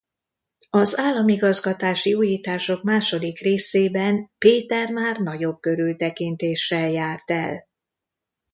Az államigazgatási újítások második részében Péter már nagyobb körültekintéssel járt el.